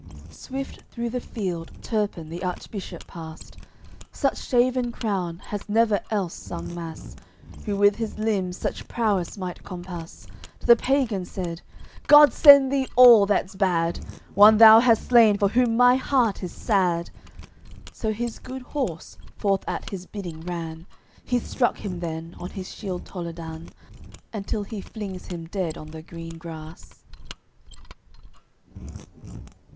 CXIX Swift through the field Turpin the Archbishop passed; Such shaven crown has never else sung Mass Who with his limbs such prowess might compass; To th'pagan said "God send thee all that's bad! One thou hast slain for whom my heart is sad." So his good horse forth at his bidding ran, He's struck him then on his shield Toledan, Until he flings him dead on the green grass.